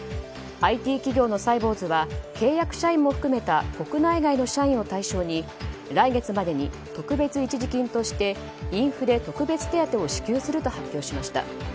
ＩＴ企業のサイボウズは契約社員も含めた国内外の社員を対象に来月までに特別一時金としてインフレ特別手当を支給すると発表しました。